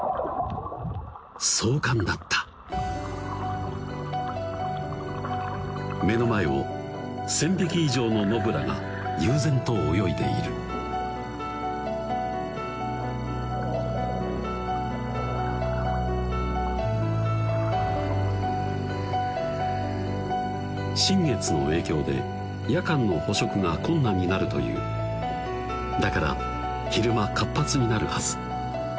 壮観だった目の前を１０００匹以上のモブラが悠然と泳いでいる新月の影響で夜間の捕食が困難になるというだから昼間活発になるはず